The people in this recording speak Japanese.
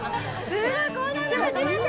すごい！